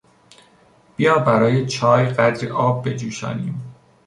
بیا برای چای قدری آب بجوشانیم.